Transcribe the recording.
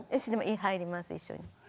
入ります一緒に。